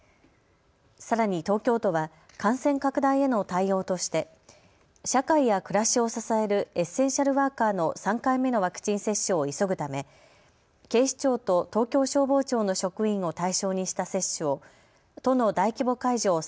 さらに東京都は感染拡大への対応として社会や暮らしを支えるエッセンシャルワーカーの３回目のワクチン接種を急ぐため警視庁と東京消防庁の職員を対象にした接種を都の大規模会場